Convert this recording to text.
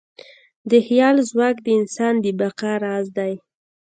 د خیال ځواک د انسان د بقا راز دی.